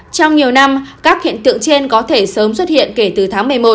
trong nhiều năm các hiện tượng trên có thể sớm xuất hiện kể từ tháng một mươi một